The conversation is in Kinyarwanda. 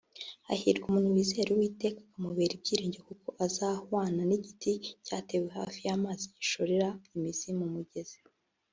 Hahirwa umuntu wizera uwiteka akamubera ibyiringiro kuko azahwana n'igiti cyatewe hafi y'amazi gishorera imizi mu mugezi